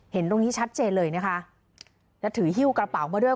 เห็นตรงนี้ชัดเจนเลยนะคะแล้วถือฮิ้วกระเป๋ามาด้วย